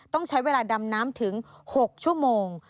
ต้องใช้เวลาดำน้ำถึง๖ชั่วโมง